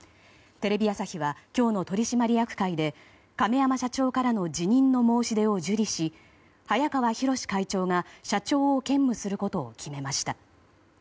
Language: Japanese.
テレビ朝日は今日の取締役会で亀山社長からの辞任の申し出を受理し早河洋会長が社長を兼務することを決めました。